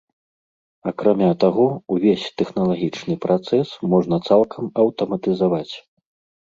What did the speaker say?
Акрамя таго, увесь тэхналагічны працэс можна цалкам аўтаматызаваць.